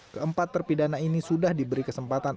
keempat terpidana ini sudah diberi kesempatan